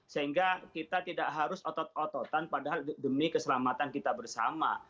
sehingga kita tidak harus otot ototan padahal demi keselamatan kita bersama